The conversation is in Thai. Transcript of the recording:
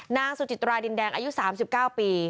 นางสุจิตราดินแดงอายุ๓๙ปี